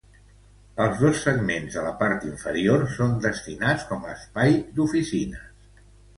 Els dos segments de la part inferior són destinats com a espai d'oficines.